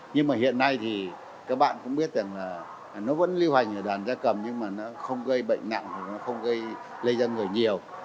nhưng mà hiện nay thì các bạn cũng biết rằng là nó vẫn lưu hành ở đàn gia cầm nhưng mà nó không gây bệnh nặng thì nó không gây lây ra người nhiều